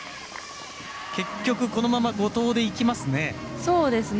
結局、このまま後藤でいきますね。